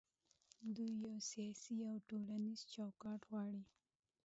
دوی یو سیاسي او ټولنیز چوکاټ غواړي.